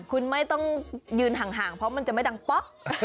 คุณไม่ต้องยืนห่างเพราะมันจะไม่ดังป๊อก